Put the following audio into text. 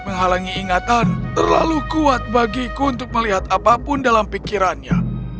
menghalangi ingatan terlalu kuat bagiku untuk melihat apapun dalam pikirannya